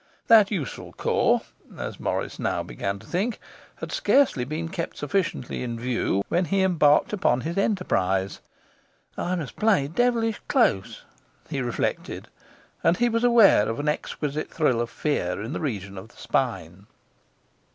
That useful corps (as Morris now began to think) had scarce been kept sufficiently in view when he embarked upon his enterprise. 'I must play devilish close,' he reflected, and he was aware of an exquisite thrill of fear in the region of the spine.